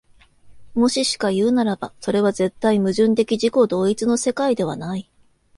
もししかいうならば、それは絶対矛盾的自己同一の世界ではない。